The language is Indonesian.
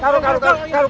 karung karung karung